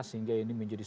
sehingga ini menjadi